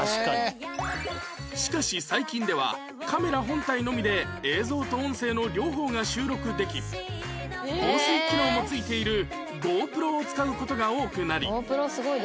しかし最近ではカメラ本体のみで映像と音声の両方が収録でき防水機能も付いている ＧｏＰｒｏ を使う事が多くなり